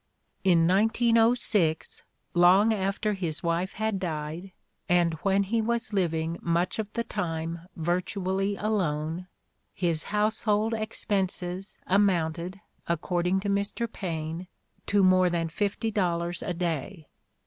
In 1906, long after his wife had died and when he was living much of the time virtually alone, his household expenses amounted, ac cording to Mr. Paine, '' to more than fifty dollars a day.